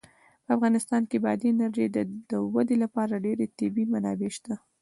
په افغانستان کې د بادي انرژي د ودې لپاره ډېرې طبیعي منابع شته دي.